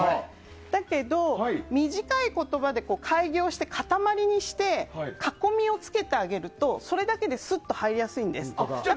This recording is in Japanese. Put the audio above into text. だけど、短い言葉で改行して塊にして囲みをつけてあげるとそれだけですっと入りやすいんです。